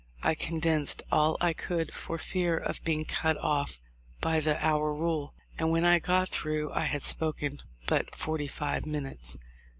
I condensed all I could for fear of being cut off by the hour rule; and when I got through I had spoken but forty five minutes.